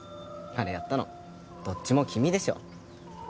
あれやったのどっちも君でしょ。